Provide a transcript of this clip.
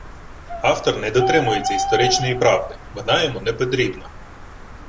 Автор не дотримується історичної правди, вона йому не потрібна